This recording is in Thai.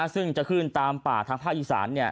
ซึ่งจะขึ้นตามป่าทางภาคอีสาน